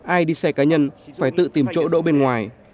ai đi xe cá nhân phải tự tìm chỗ đỗ bên ngoài